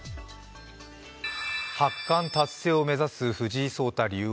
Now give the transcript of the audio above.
八冠達成を目指す藤井聡太七冠。